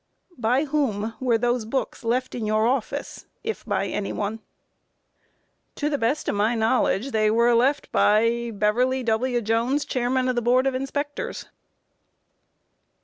Q. By whom were those books left in your office, if by any one? A. To the best of my knowledge, they were left by Beverly W. Jones, Chairman of the Board of Inspectors.